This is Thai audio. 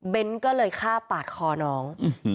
เบ้นท์ก็เลยฆ่าปากคอน้อง